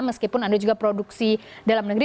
meskipun anda juga produksi dalam negeri